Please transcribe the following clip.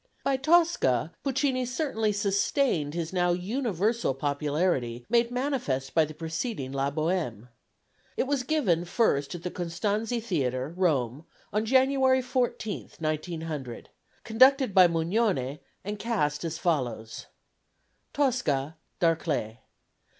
By Tosca, Puccini certainly sustained his now universal popularity made manifest by the preceding La Bohème. It was given first at the Costanzi Theatre, Rome, on January 14, 1900, conducted by Mugnone, and cast as follows: Tosca DARCLÉE.